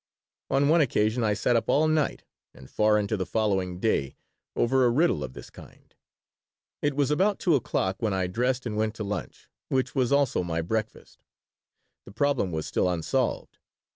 On one occasion I sat up all night and far into the following day over a riddle of this kind. It was about 2 o'clock when I dressed and went to lunch, which was also my breakfast. The problem was still unsolved.